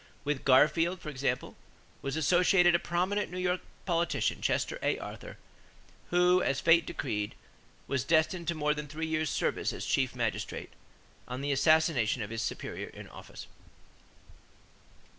With Garfield, for example, was associated a prominent New York politician, Chester A. Arthur, who, as fate decreed, was destined to more than three years' service as chief magistrate, on the assassination of his superior in office.